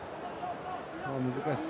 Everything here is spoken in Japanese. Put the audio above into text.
難しさ